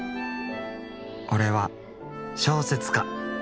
俺は小説家。